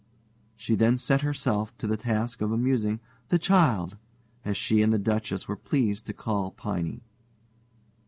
She then set herself to the task of amusing "the child," as she and the Duchess were pleased to call Piney.